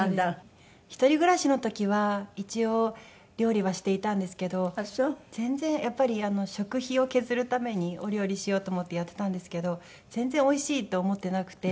一人暮らしの時は一応料理はしていたんですけど全然やっぱり食費を削るためにお料理しようと思ってやってたんですけど全然おいしいって思ってなくて。